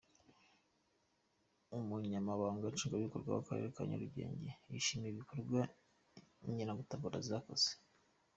Umunyamabanga nshingwabikorwa w’akarere ka Nyarugenge yishimira ibikorwa inkeragutabara zakoze.